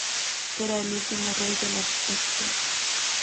Será el último rey de los Pictos.